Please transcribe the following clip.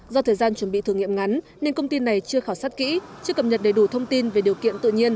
do thời gian chuẩn bị thử nghiệm ngắn nên công ty này chưa khảo sát kỹ chưa cập nhật đầy đủ thông tin về điều kiện tự nhiên